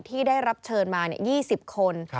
ที่ได้รับเชิญมา๒๐คน